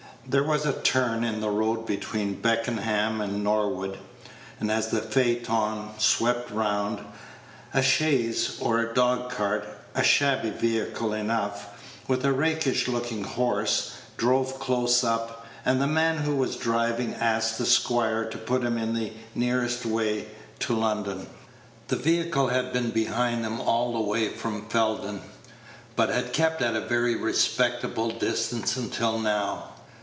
There was a turn in the road between Beckenham and Norwood; and as the phaeton swept round, a chaise or dog cart, a shabby vehicle enough, with a rakish looking horse, drove close up, and the man who was driving asked the squire to put him in the nearest way to London. The vehicle had been behind them all the way from Felden, but had kept at a very respectful distance until now.